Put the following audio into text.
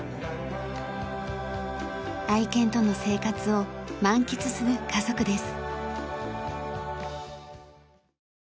愛犬との生活を満喫する家族です。